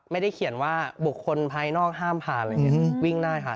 ไม่ได้เขียนว่าบุคคลภายนอกห้ามผ่านอะไรอย่างนี้วิ่งได้ค่ะ